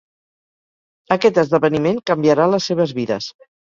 Aquest esdeveniment canviarà les seves vides.